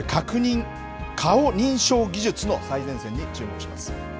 顔認証技術の最前線にチューモクします。